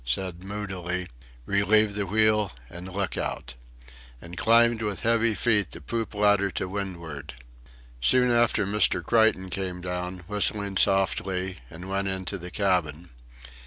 said moodily, "Relieve the wheel and look out"; and climbed with heavy feet the poop ladder to windward. Soon after Mr. Creighton came down, whistling softly, and went into the cabin.